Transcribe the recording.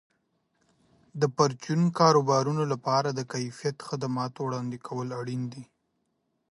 د پرچون کاروبارونو لپاره د کیفیت خدماتو وړاندې کول اړین دي.